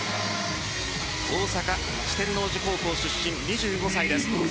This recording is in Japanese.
大阪、四天王寺高校出身２５歳です。